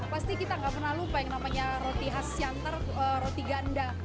pasti kita nggak pernah lupa yang namanya roti khas siantar roti ganda